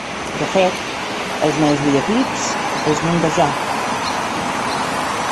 De fet, els meus videoclips els munto jo.